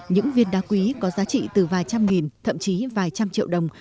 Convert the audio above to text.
những viên đá quý có giá trị từ vài trăm nghìn thậm chí vài trăm triệu đồng